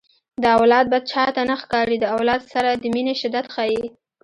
د اولاد بد چاته نه ښکاري د اولاد سره د مینې شدت ښيي